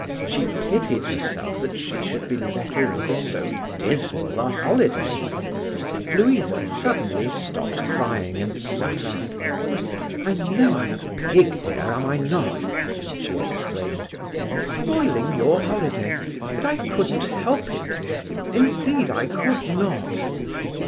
She pitied herself that she should be let in for so dismal a holiday. Louisa suddenly stopped crying and sat up: "Oh, I know I'm a pig, dear, am I not?" she exclaimed. "Spoiling your holiday. But I couldn't help it, dear, indeed I could not."